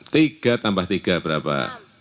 tiga tambah tiga berapa